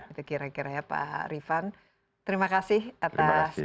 itu kira kira ya pak ariefan terima kasih atas insightnya sukses